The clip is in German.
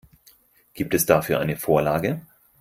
Gibt es dafür eine Vorlage?